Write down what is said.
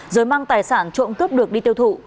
rồi mang tài sản trộm cướp được đi tiêu thụ